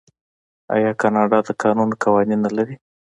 آیا کاناډا د کانونو قوانین نلري؟